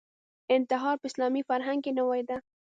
انتحار په اسلامي فرهنګ کې نوې ده